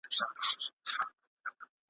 انتظار مي اخري سو.